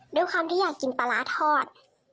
ด้วยความที่อยากกินปลาร้าทอด